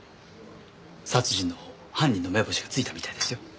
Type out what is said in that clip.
殺人のほう犯人の目星がついたみたいですよ。